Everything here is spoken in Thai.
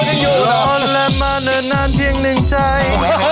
พี่ตุ๋นเร่งอยู่พี่ตุ๋นและมานานเพียงหนึ่งใจ